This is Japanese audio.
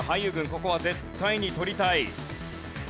ここは絶対に取りたい。